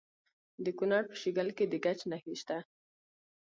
د کونړ په شیګل کې د ګچ نښې شته.